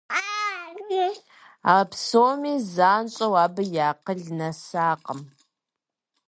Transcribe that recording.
А псоми занщӀэу абы и акъыл нэсакъым.